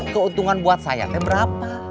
keuntungan buat saya berapa